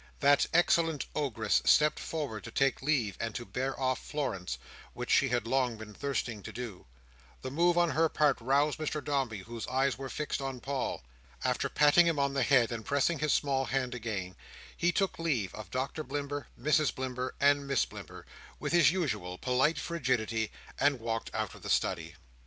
That excellent ogress stepped forward to take leave and to bear off Florence, which she had long been thirsting to do. The move on her part roused Mr Dombey, whose eyes were fixed on Paul. After patting him on the head, and pressing his small hand again, he took leave of Doctor Blimber, Mrs Blimber, and Miss Blimber, with his usual polite frigidity, and walked out of the study.